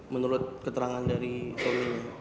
menurut keterangan dari suaminya